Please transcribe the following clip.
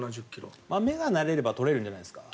目が慣れればとれるんじゃないですか？